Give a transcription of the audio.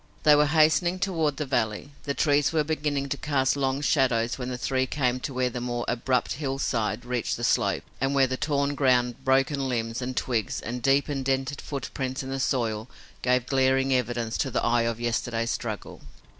They were hastening toward the valley. The trees were beginning to cast long shadows when the three came to where the more abrupt hillside reached the slope and where the torn ground, broken limbs and twigs and deep indented footprints in the soil gave glaring evidence to the eye of yesterday's struggle.